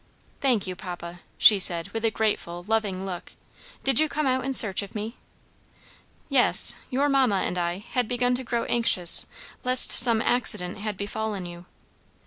"Thank you, papa," she said with a grateful, loving look. "Did you come out in search of me?" "Yes, your mamma and I had begun to grow anxious lest some accident had befallen you.